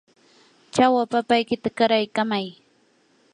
chawa papaykita qaraykamay.